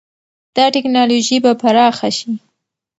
دا ټکنالوژي به پراخه شي.